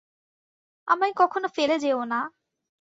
আমায় কখনো ফেলে যেওনা।